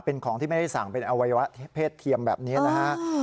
เป็นของที่ไม่ได้สั่งเป็นอวัยวะเพศเทียมแบบนี้นะฮะ